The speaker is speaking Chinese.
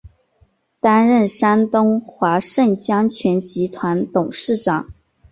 担任山东华盛江泉集团董事长。